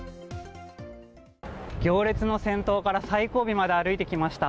行列の先頭から最後尾まで歩いてきました。